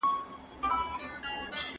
زه اوس سينه سپين کوم؟!